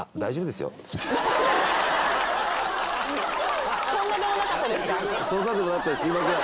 すいません。